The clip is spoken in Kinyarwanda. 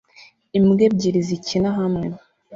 imbwa ebyiri zikina hamwe